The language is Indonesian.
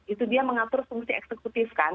itu dia mengatur fungsi eksekutif kan